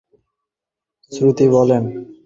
শ্রুতি বলেন, ইহাই সনাতন সত্য।